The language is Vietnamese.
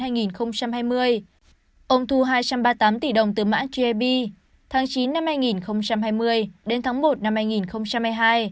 ông thu hai trăm ba mươi tám tỷ đồng từ mã grb tháng chín năm hai nghìn hai mươi đến tháng một năm hai nghìn hai mươi hai